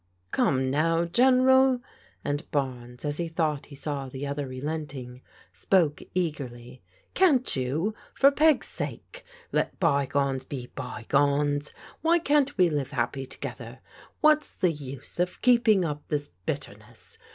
" Come now. General," and Barnes, as he thought he saw the other relenting, spoke eagerly, "can't you, for Peg's sake, let bygones be bygones? Why can't we live happy together? What's the use of keeping up this bit terness?